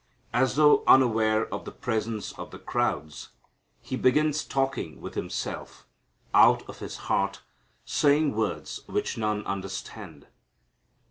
As though unaware of the presence of the crowds, He begins talking with Himself, out of His heart, saying words which none understand.